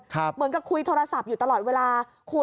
เหมือนกับคุยโทรศัพท์อยู่ตลอดเวลา